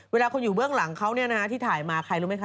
เวลาคนอยู่เบื้องหลังเขาที่ถ่ายมาใครรู้ไหมคะ